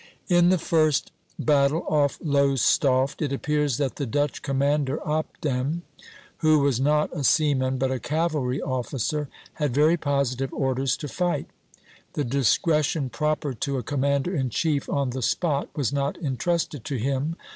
In the first battle off Lowestoft, it appears that the Dutch commander, Opdam, who was not a seaman but a cavalry officer, had very positive orders to fight; the discretion proper to a commander in chief on the spot was not intrusted to him.